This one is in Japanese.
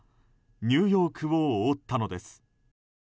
ニューヨークを覆ったのです。